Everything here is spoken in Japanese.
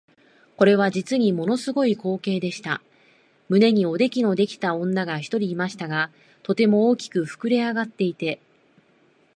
これは実にもの凄い光景でした。胸におできのできた女が一人いましたが、とても大きく脹れ上っていて、